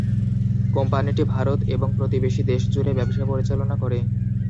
কোম্পানিটি ভারত এবং প্রতিবেশী দেশ জুড়ে ব্যবসা পরিচালনা করে।